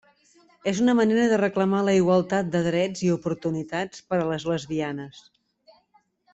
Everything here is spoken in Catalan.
És una manera de reclamar la igualtat de drets i oportunitats per a les lesbianes.